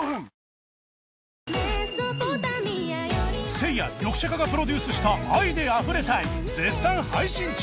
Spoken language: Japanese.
せいやリョクシャカがプロデュースした『愛で溢れたい』絶賛配信中